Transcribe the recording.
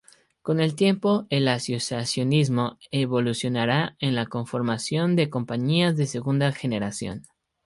Con el tiempo el asociacionismo evolucionará en la conformación de compañías de segunda generación.